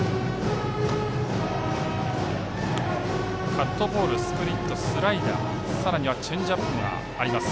カットボール、スプリットスライダーさらにはチェンジアップがあります。